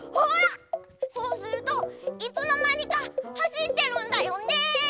そうするといつのまにかはしってるんだよね！